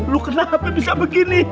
lu kenapa bisa begini